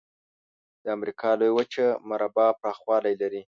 د امریکا لویه وچه مربع پرخوالي لري.